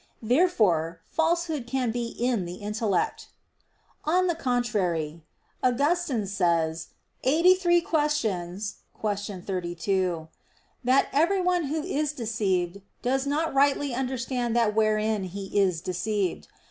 Therefore falsehood can be in the intellect. On the contrary, Augustine says (QQ. 83, qu. 32), that "everyone who is deceived, does not rightly understand that wherein he is deceived."